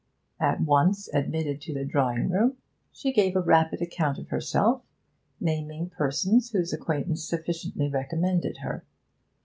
At once admitted to the drawing room, she gave a rapid account of herself, naming persons whose acquaintance sufficiently recommended her.